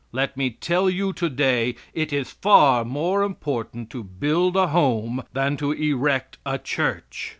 Let me tell you to day, it is far more important to build a home than to erect a church.